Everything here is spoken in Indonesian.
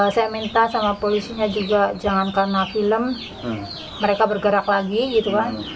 saya minta sama polisinya juga jangan karena film mereka bergerak lagi gitu kan